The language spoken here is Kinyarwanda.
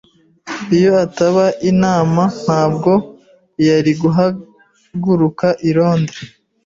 Iyo ataba inama, ntabwo yari guhaguruka i Londres.